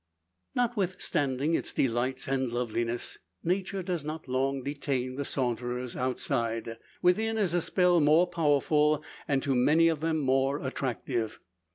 Notwithstanding its delights, and loveliness, Nature does not long detain the saunterers outside. Within is a spell more powerful, and to many of them more attractive.